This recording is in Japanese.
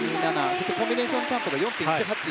そしてコンビネーションジャンプが４．１８。